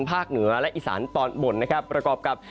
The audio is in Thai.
ภาคเหนือและอิสานตอนบนประกอบกับ